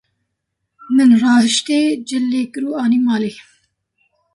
Min rahiştê, cil lê kir û anî malê.